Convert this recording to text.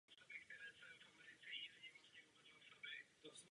Tyto záležitosti spravuje finská ústřední vláda.